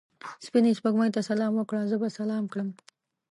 سپینې سپوږمۍ ته سلام وکړه؛ زه به سلام کړم.